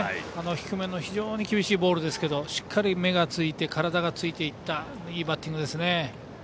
低めの非常に厳しいボールですけどしっかり目がついて体がついていったいいバッティングですね。